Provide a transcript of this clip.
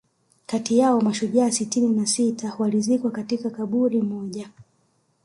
kati yao mashujaa sitini na sita walizikwa katika kaburi moja